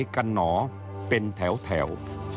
จากไหนกันหนอเป็นแถว